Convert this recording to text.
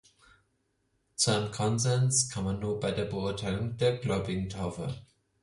Zu einem Konsens kam man nur bei der Beurteilung der Gläubigentaufe.